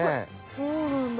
そうなんだ。